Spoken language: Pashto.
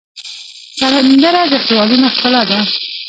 سندره د خیالونو ښکلا ده